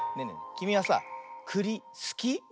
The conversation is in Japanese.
きみはさくりすき？